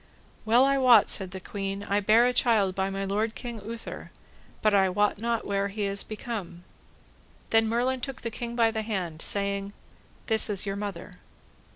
Well I wot, said the queen, I bare a child by my lord King Uther, but I wot not where he is become. Then Merlin took the king by the hand, saying, This is your mother.